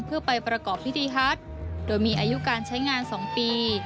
เพื่อไปประกอบพิธีฮัทโดยมีอายุการใช้งาน๒ปี